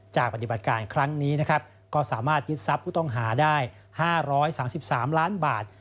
ปฏิบัติการครั้งนี้นะครับก็สามารถยึดทรัพย์ผู้ต้องหาได้๕๓๓ล้านบาท